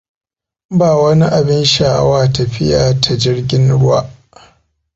Ba wani abin sha'awa tafiya ta jirgin ruwa.